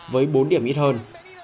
với bốn điểm ít hơn